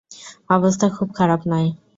অবস্থা খুব খারাপ নয়।